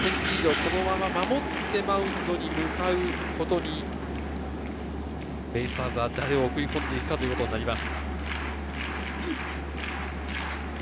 このまま守って、マウンドに向かうことに、ベイスターズは誰を送り込んでいくかということになります。